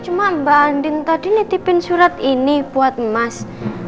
cuma mbak andin tadi nitipin surat ini buat emas